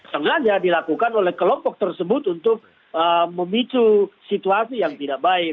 sengaja dilakukan oleh kelompok tersebut untuk memicu situasi yang tidak baik